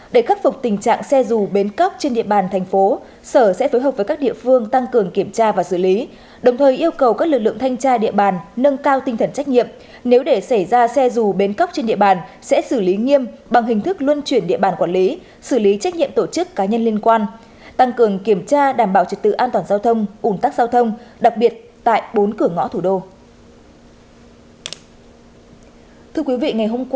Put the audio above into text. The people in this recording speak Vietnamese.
để khắc phục tình trạng xe dù bến cóc trên địa bàn thành phố sở sẽ phối hợp với các địa phương tăng cường kiểm tra và xử lý đồng thời yêu cầu các lực lượng thanh tra địa bàn nâng cao tinh thần trách nhiệm nếu để xảy ra xe dù bến cóc trên địa bàn sẽ xử lý nghiêm bằng hình thức luân chuyển địa bàn quản lý xử lý trách nhiệm tổ chức cá nhân liên quan tăng cường kiểm tra đảm bảo trực tự an toàn giao thông ủng tắc giao thông đặc biệt tại bốn cửa ngõ thủ đô